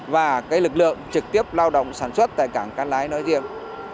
và cái lực lượng trực tiếp lao động sản xuất tại cảng cát lái nối riêng